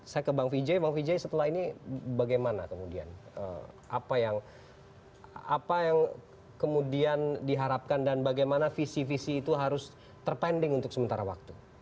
saya ke bang vijay bang vijay setelah ini bagaimana kemudian apa yang kemudian diharapkan dan bagaimana visi visi itu harus terpending untuk sementara waktu